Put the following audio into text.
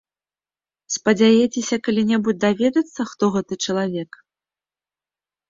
Спадзеяцеся калі-небудзь даведацца, хто гэты чалавек?